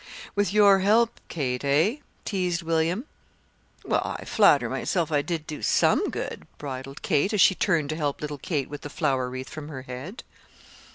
"With your help, Kate eh?" teased William. "Well, I flatter myself I did do some good," bridled Kate, as she turned to help little Kate take the flower wreath from her head.